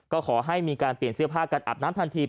ก็ขอให้มีการเปลี่ยนเสื้อผ้าการอาบน้ำทันที